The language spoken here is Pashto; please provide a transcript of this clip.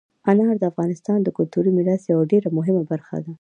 انار د افغانستان د کلتوري میراث یوه ډېره مهمه برخه ده.